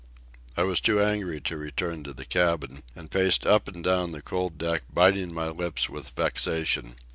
I was too angry to return to the cabin, and paced up and down the cold deck biting my lips with vexation.